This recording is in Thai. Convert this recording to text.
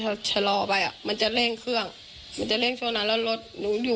ตกลงไปจากรถไฟได้ยังไงสอบถามแล้วแต่ลูกชายก็ยังเล็กมากอะ